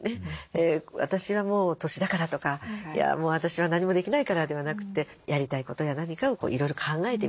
私はもう年だからとかもう私は何もできないからではなくてやりたいことや何かをいろいろ考えてみると。